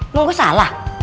mau gua salah